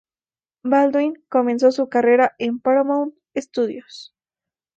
Baldwin comenzó su carrera en Paramount Studios.